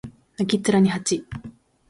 泣きっ面に蜂